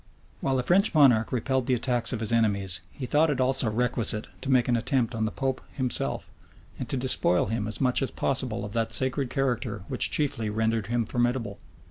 } While the French monarch repelled the attacks of his enemies, he thought it also requisite to make an attempt on the pope himself, and to despoil him as much as possible of that sacred character which chiefly rendered him formidable.